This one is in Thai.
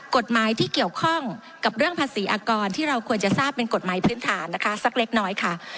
กฎหมายที่เกี่ยวข้องกับเรื่องภาษีอากรที่เราควรจะทราบเป็นกฎหมายพื้นฐานนะคะสักเล็กน้อยค่ะ